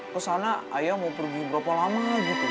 kesana ayah mau pergi berapa lama gitu